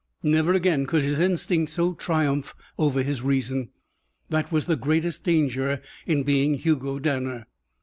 Never again could his instinct so triumph over his reason. That was the greatest danger in being Hugo Danner.